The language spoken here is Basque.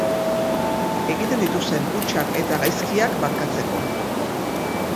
Egiten dituzten hutsak eta gaizkiak barkatzeko